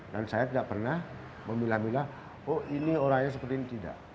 dan saya tidak pernah memilah milah oh ini orangnya seperti ini tidak